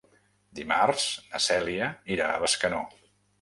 Dimarts na Cèlia irà a Bescanó.